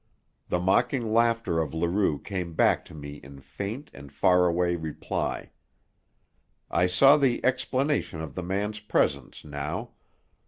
The mocking laughter of Leroux came back to me in faint and far away reply. I saw the explanation of the man's presence now.